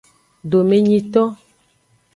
Domenyito.